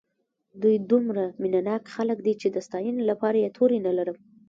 دوی دومره مینه ناک خلک دي چې د ستاینې لپاره یې توري نه لرم.